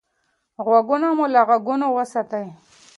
غوږونه مو له غږونو وساتئ.